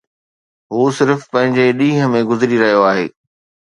هو صرف پنهنجي ڏينهن ۾ گذري رهيو آهي